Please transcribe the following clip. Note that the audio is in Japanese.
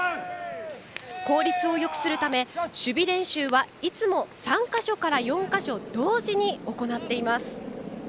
効率をよくするため守備練習はいつも３か所から４か所同時に行っています。